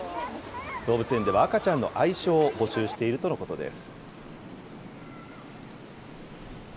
動物園では赤ちゃんの愛称を募集しているとのことです。